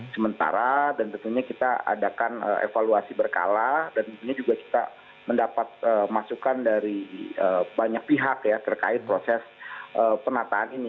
sementara dan tentunya kita adakan evaluasi berkala dan tentunya juga kita mendapat masukan dari banyak pihak ya terkait proses penataan ini